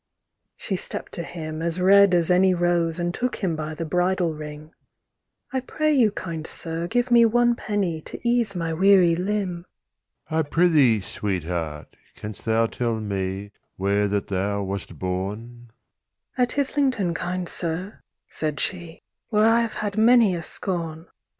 VIIIShe stept to him, as red as any rose, And took him by the bridle ring:'I pray you, kind sir, give me one penny, To ease my weary limb.'—IX'I prithee, sweetheart, canst thou tell meWhere that thou wast born?'—'At Islington, kind sir,' said she,'Where I have had many a scorn.